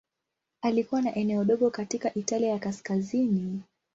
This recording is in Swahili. Alikuwa na eneo dogo katika Italia ya Kaskazini.